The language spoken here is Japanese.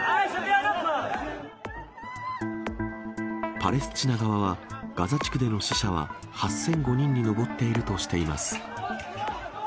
パレスチナ側は、ガザ地区での死者は８００５人に上っているとしています。